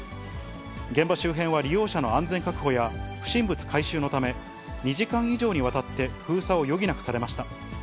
現場周辺は、利用者の安全確保や不審物回収のため、２時間以上にわたって封鎖を余儀なくされました。